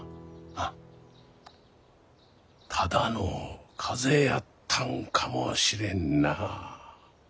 ただの風邪やったんかもしれんな。